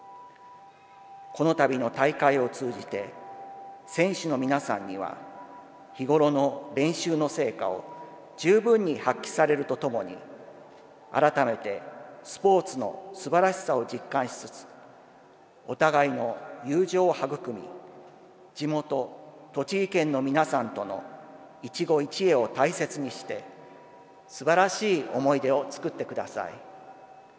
この度の大会を通じて選手の皆さんには日頃の練習の成果を十分に発揮されるとともに改めてスポーツのすばらしさを実感しつつお互いの友情を育み地元栃木県の皆さんとの一期一会を大切にしてすばらしい思い出を作ってください。